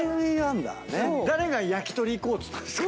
誰が焼き鳥行こうっつったんですか？